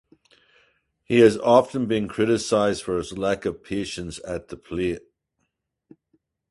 He has often been criticized for his lack of patience at the plate.